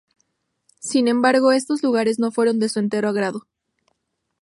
Sin embargo estos lugares no fueron de su entero agrado.